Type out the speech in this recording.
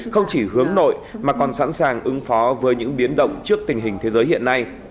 không chỉ hướng nội mà còn sẵn sàng ứng phó với những biến động trước tình hình thế giới hiện nay